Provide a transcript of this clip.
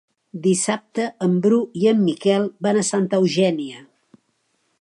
Dissabte en Bru i en Miquel van a Santa Eugènia.